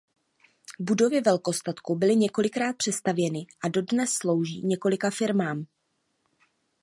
Budovy velkostatku byly několikrát přestavěny a dodnes slouží několika firmám.